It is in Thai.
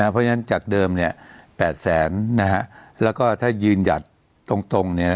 เพราะฉะนั้นจากเดิมเนี่ย๘แสนนะฮะแล้วก็ถ้ายืนหยัดตรงเนี่ย